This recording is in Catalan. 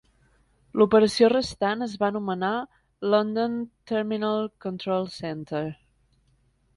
L'operació restant es va anomenar London Terminal Control Centre.